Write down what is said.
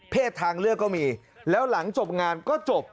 ทางเลือกก็มีแล้วหลังจบงานก็จบ